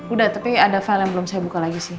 udah tapi ada file yang belum saya buka lagi sih